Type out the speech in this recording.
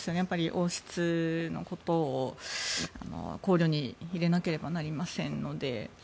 王室のことを考慮に入れなければなりませんので。